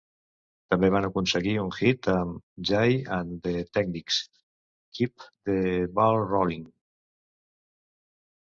També van aconseguir un hit amb Jay and the Techniques' "Keep the Ball Rollin'".